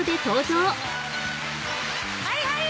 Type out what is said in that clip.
はいはい！